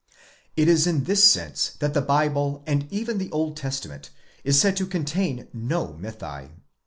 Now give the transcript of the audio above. It is in this sense that the Bible, and even the Old Testament, is said to contain no mythi.